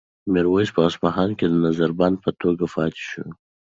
میرویس په اصفهان کې د نظر بند په توګه پاتې شو.